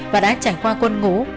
và đã trải qua quân ngũ